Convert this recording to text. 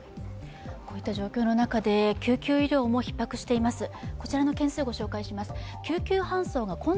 こういった状況の中で救急医療もひっ迫しています。